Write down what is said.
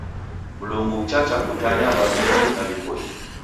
Mlungu uchacha kutanya w'aw'iw'I na w'ipoie.